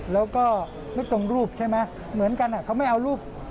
แล้วก็ไม่ตรงรูปใช่ไหมเหมือนกันเขาไม่เอารูป